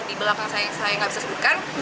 di belakang saya saya nggak bisa sebutkan